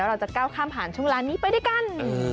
เราจะก้าวข้ามผ่านช่วงเวลานี้ไปด้วยกัน